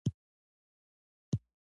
بلکې نتيجه يې هم مهمه ده.